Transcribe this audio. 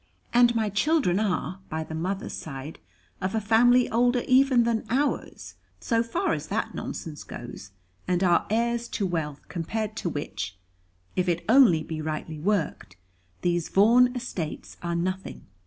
And my children are, by the mother's side, of a family older even than ours so far as that nonsense goes and are heirs to wealth compared to which if it only be rightly worked these Vaughan estates are nothing.